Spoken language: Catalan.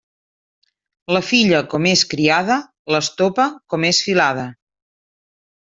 La filla, com és criada; l'estopa, com és filada.